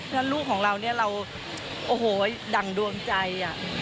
แล้วลูกของเราเนี่ยเราโอ้โหดั่งดวงใจ